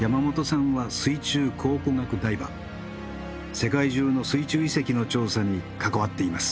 世界中の水中遺跡の調査に関わっています。